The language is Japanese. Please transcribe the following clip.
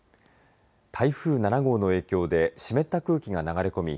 台風７号の影響で湿った空気が流れ込み